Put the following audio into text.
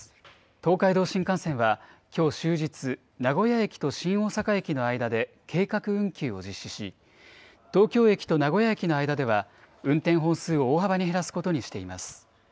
東海道新幹線はきょう終日、名古屋駅と新大阪駅の間で計画運休を実施し、東京駅と名古屋駅の間では運転本数を大幅に減らすことにしています。